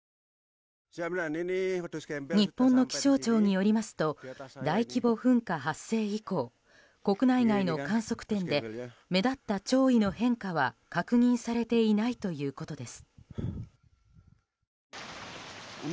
日本の気象庁によりますと大規模噴火発生以降国内外の観測点で目立った潮位の変化は確認されていないということです。